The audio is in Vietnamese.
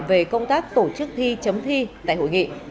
về công tác tổ chức thi chấm thi tại hội nghị